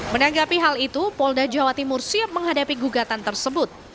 menanggapi hal itu polda jawa timur siap menghadapi gugatan tersebut